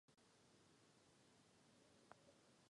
V osmdesátých letech se začalo objevovat komiksy a nové karty.